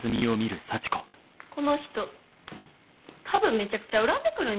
この人多分めちゃくちゃ恨んでくるんちゃう？